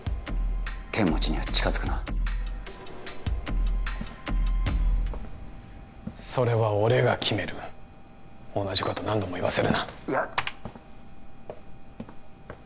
剣持には近づくなそれは俺が決める同じこと何度も言わせるな